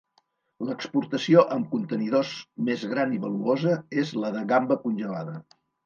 L'exportació amb contenidors més gran i valuosa és la de gamba congelada.